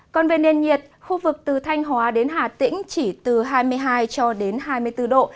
còn về nền nhiệt khu vực từ thanh hóa đến hà tĩnh chỉ từ hai mươi hai cho đến hai mươi bốn độ